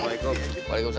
yaudah jemput ya